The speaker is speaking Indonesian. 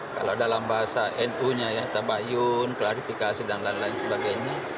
kalau dalam bahasa nu nya ya tabayun klarifikasi dan lain lain sebagainya